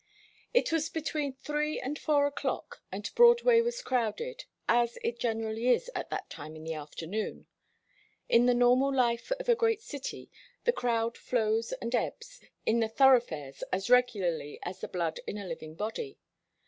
It was between three and four o'clock, and Broadway was crowded, as it generally is at that time in the afternoon. In the normal life of a great city, the crowd flows and ebbs in the thoroughfares as regularly as the blood in a living body.